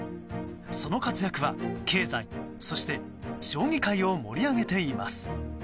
その活躍は経済、そして将棋界を盛り上げています。